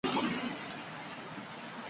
Tamalez, ez dugu hori beteko.